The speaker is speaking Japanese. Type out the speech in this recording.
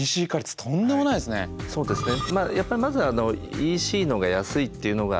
そうですね。